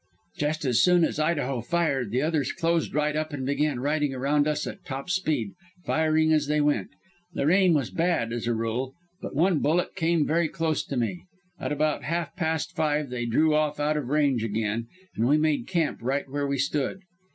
"Just as soon as Idaho fired the others closed right up and began riding around us at top speed, firing as they went. Their aim was bad as a rule, but one bullet came very close to me. At about half past five they drew off out of range again and we made camp right where we stood.